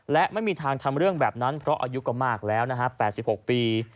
และไม่มีทางทำเรื่องแบบนั้นเพราะอายุก็มากแล้วนะฮะ๘๖ปี